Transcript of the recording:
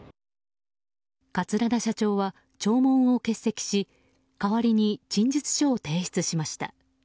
桂田社長は聴聞を欠席し代わりに陳述書を提出しました。